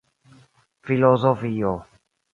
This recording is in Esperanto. filozofio